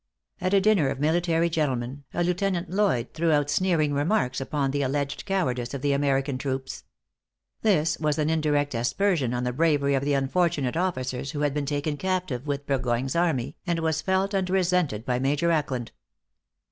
At a dinner of military gentlemen, a Lieutenant Lloyd threw out sneering remarks upon the alleged cowardice of the American troops. This was an indirect aspersion on the bravery of the unfortunate officers who had been taken captive with Burgoyne's army, and was felt and resented by Major Ackland.